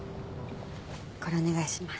これお願いします。